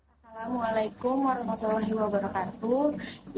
assalamualaikum warahmatullahi wabarakatuh